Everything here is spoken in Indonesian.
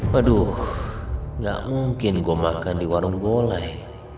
waduh gak mungkin gue makan di warung boleh